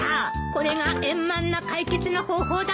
これが円満な解決の方法だったのよ。